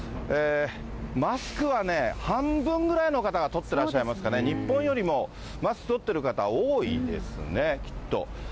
マスクはね、半分ぐらいの方が取ってらっしゃいますかね、日本よりも、マスク取ってる方多いですね、きっと。